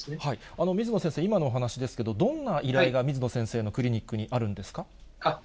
水野先生、今のお話ですけど、どんな依頼が、水野先生のクリニックにあるんですか？